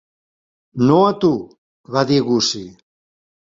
"No a tu", va dir Gussie.